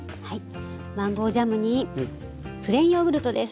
マンゴージャムにプレーンヨーグルトです。